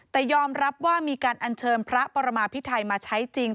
แต่ยอมรับว่ามีการอัญเชิญพระปรมาพิไทยมาใช้จริง